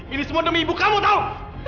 ini semua demi ibu kamu tau